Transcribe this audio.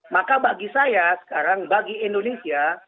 maka bagi saya sekarang bagi indonesia